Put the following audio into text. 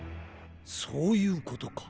そういうことか。